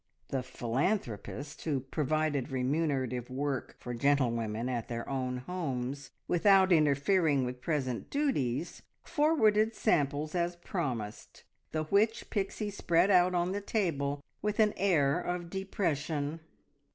The philanthropist who provided remunerative work for gentlewomen at their own homes without interfering with present duties, forwarded samples as promised, the which Pixie spread out on the table with an air of depression.